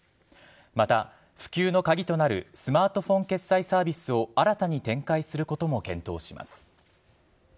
また普及の鍵となるスマートフォン決済サービスを新たに展開することも検討します。